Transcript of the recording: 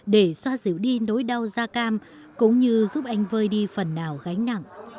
để xoa dịu đi nỗi đau da cam cũng như giúp anh vơi đi phần nào gánh nặng